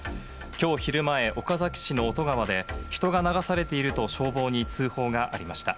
きょう昼前、岡崎市の男川で、人が流されていると消防に通報がありました。